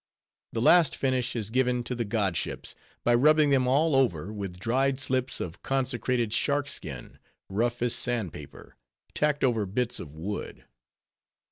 The last finish is given to their godships, by rubbing them all over with dried slips of consecrated shark skin, rough as sand paper, tacked over bits of wood.